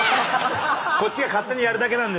こっちが勝手にやるだけ。